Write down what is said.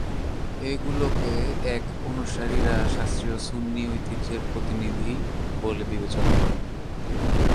এগুলোকে এর অনুসারীরা শাস্ত্রীয় সুন্নি ঐতিহ্যের প্রতিনিধি বলে বিবেচনা করে।